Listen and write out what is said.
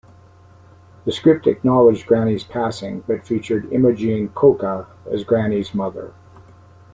The script acknowledged Granny's passing, but featured Imogene Coca as Granny's mother.